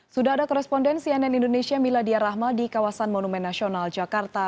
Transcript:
sudah ada koresponden cnn indonesia miladia rahma di kawasan monumen nasional jakarta